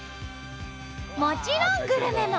もちろんグルメも！